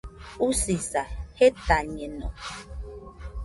Usisa, jetañeno